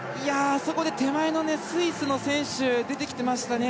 あそこで手前のスイスの選手が出てきてましたね。